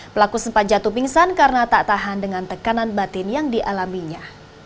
pelaku sempat jatuh pingsan karena tak tahan dengan tekanan batin yang dialaminya